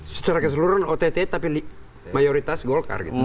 secara keseluruhan ott tapi mayoritas golkar gitu